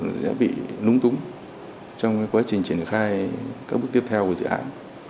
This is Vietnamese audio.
nó sẽ bị núng túng trong cái quá trình triển khai các bước tiếp theo của dự án